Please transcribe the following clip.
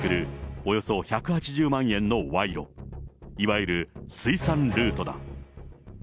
およそ１８０万円の賄賂、いわゆる水産ルートだ。